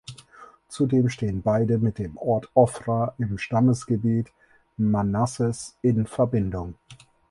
Zudem stehen beide mit dem Ort Ofra im Stammesgebiet Manasses in Verbindung.